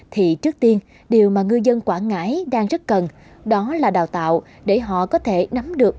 thì trước tiên điều mà ngư dân quảng ngãi đang rất cần đó là đào tạo để họ có thể nắm được